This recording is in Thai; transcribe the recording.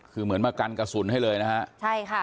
คือเหมือนมากันกระสุนให้เลยนะฮะใช่ค่ะ